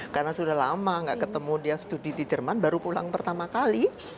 karena sudah lama tidak ketemu dia studi di jerman baru pulang pertama kali